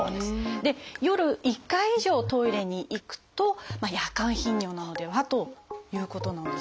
で夜１回以上トイレに行くと「夜間頻尿」なのではということなんですよね。